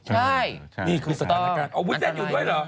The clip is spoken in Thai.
ใช่นี่คือสถานการณ์อ๋อวุ้นเซ็นอยู่ด้วยเหรอ